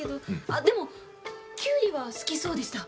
あっでもきゅうりは好きそうでした。